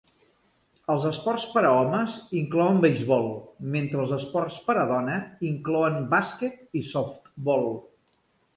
Els esports per a homes inclouen beisbol, mentre els esports per a dona inclouen bàsquet i softbol.